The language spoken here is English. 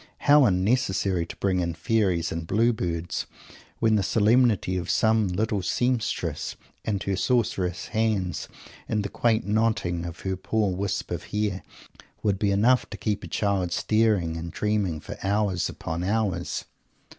How unnecessary to bring in Fairies and Blue Birds, when the solemnity of some little seamstress and her sorceress hands, and the quaint knotting of her poor wisp of hair, would be enough to keep a child staring and dreaming for hours upon hours!